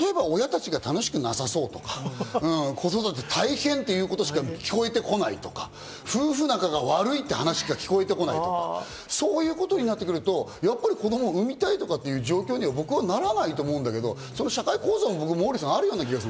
例えば親たちが楽しくなさそうとか、子育て大変っていうことしか聞こえてこないとか、夫婦仲が悪いって話しか聞こえてこないとか、そういうことになってくるとやっぱり子供産みたいとかいう状況には僕はならないと思うんだけど、そういう社会構造もある気がする。